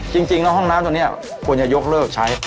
จริงแล้วห้องน้ำตัวนี้ควรจะยกเลิกใช้